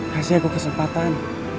kasih aku kesempatan